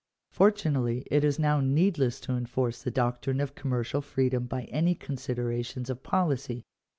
§4. Fortunately it is now needless to enforce the doctrine of commercial freedom by any considerations of policy.